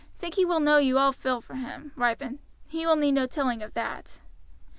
"Sankey will know you all feel for him, Ripon, he will need no telling of that."